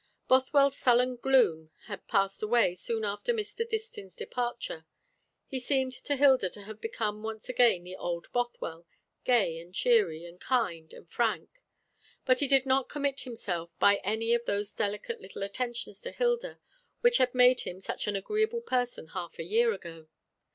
Bothwell's sullen gloom had passed away soon after Mr. Distin's departure. He seemed to Hilda to have become once again the old Bothwell gay, and cheery, and kind, and frank. But he did not commit himself by any of those delicate little attentions to Hilda which had made him such an agreeable person half a year ago.